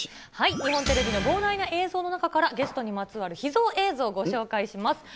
日本テレビの膨大な映像の中から、ゲストにまつわる秘蔵映像ご紹介します。